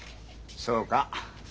そうか。